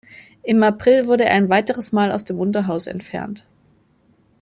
Im April wurde er ein weiteres Mal aus dem Unterhaus entfernt.